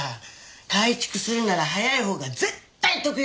改築するなら早いほうが絶対得よ！